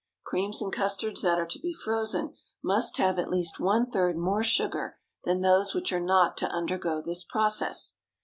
Creams and custards that are to be frozen must have at least one third more sugar than those which are not to undergo this process.